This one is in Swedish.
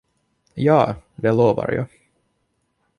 Ja, det lovar jag.